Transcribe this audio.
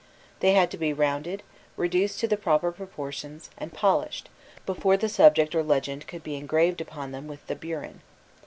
They had to be rounded, reduced to the proper proportions, and polished, before the subject or legend could be engraved upon them with the burin.